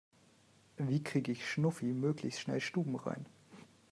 Wie kriege ich Schnuffi möglichst schnell stubenrein?